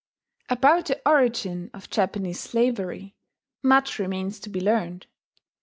] About the origin of Japanese slavery, much remains to be learned.